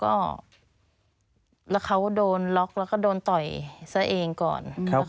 ก็แล้วเขาโดนล็อกแล้วก็โดนต่อยซะเองก่อน